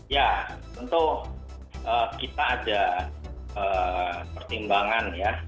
ya tentu kita ada pertimbangan ya